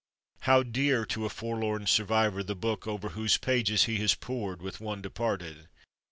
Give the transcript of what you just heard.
How dear to a forlorn survivor the book over whose pages he has pored with one departed!